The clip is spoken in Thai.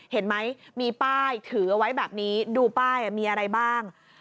เห็นไหมมีป้ายถือเอาไว้แบบนี้ดูป้ายมีอะไรบ้าง